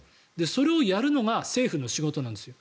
それをやるのが政府の仕事なんですよ。